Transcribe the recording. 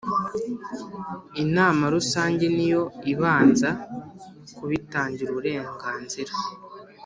Inama Rusange niyo ibanza kubitangira uburenganzira